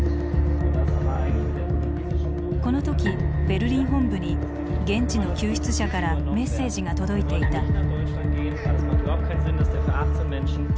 この時ベルリン本部に現地の救出者からメッセージが届いていた。